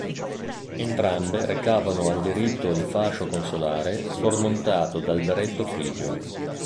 Entrambe recavano al diritto il fascio consolare sormontato dal berretto frigio.